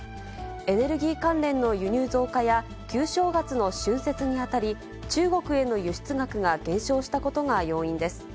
エネルギー関連の輸入増加や旧正月の春節に当たり、中国への輸出額が減少したことが要因です。